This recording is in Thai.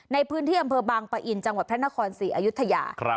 ในพื้นที่อำเภอบางปะอินจังหวัดพระนครศรีอยุธยา